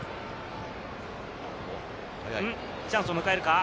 チャンスを迎えるか。